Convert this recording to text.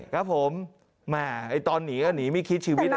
ครับผมตอนหนีก็หนีไม่คิดชีวิตนะ